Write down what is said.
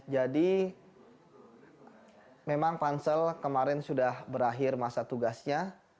jadi memang pansel kemarin sudah berakhir masa tugasnya